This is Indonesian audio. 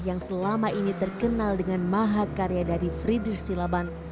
yang selama ini terkenal dengan maha karya dari frieder silaban